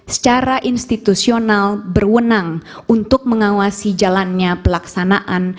secara institusional berwenang untuk mengawasi jalannya pelaksanaan